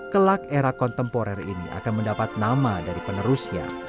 kelak era kontemporer ini akan mendapat nama dari penerusnya